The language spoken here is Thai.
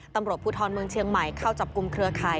ตำรวจภูทรเมืองเชียงใหม่เข้าจับกลุ่มเครือข่าย